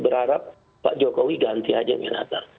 berharap pak jokowi ganti aja minathan